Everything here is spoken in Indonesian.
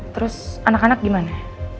terus anak anak gimana